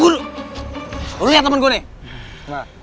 lu liat temen gua nih